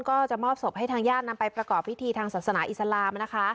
ก็จะมอบศพให้ทางญาตินำไปประกอบพิธีทางศาสนาอิสลามนะคะ